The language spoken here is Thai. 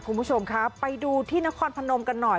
คุณผู้ชมครับไปดูที่นครพนมกันหน่อย